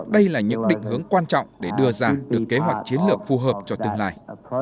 đây là những định hướng quan trọng để đưa ra được kế hoạch chiến lược phù hợp cho tương lai